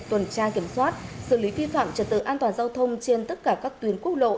tuần tra kiểm soát xử lý vi phạm trật tự an toàn giao thông trên tất cả các tuyến quốc lộ